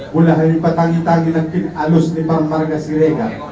mulai hari patangi tangi nangkin alus ni parmarga sirega